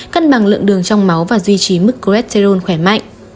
cân bằng lượng đường trong máu và duy trì mức cholesterol khỏe mạnh